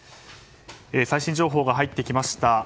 最新情報が入ってきました。